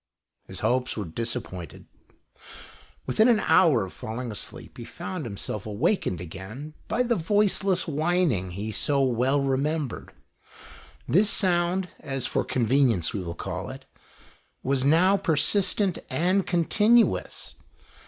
His hopes were disappointed. Within an hour of falling asleep he found himself awakened again by the voiceless whining he so well remembered. This sound, as for convenience we will call it, was now persistent and con tinuous.